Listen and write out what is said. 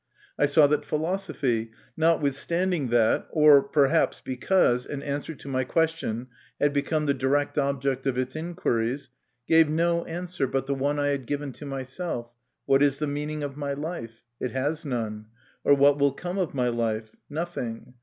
I saw that philosophy, notwithstanding that, or perhaps because an answer to my question had become the direct object of its inquiries, gave no answer but the one I had given to myself, " What is the meaning of my life ? It has none. Or what will come of my life ? Nothing.